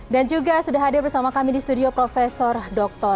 dan juga sudah hadir bersama kami di studio prof dr tanto